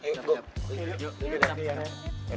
oke siap yan